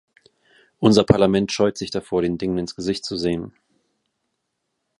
Unser Parlament scheut sich davor, den Dingen ins Gesicht zu sehen.